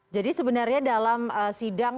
jadi sebenarnya dalam sidang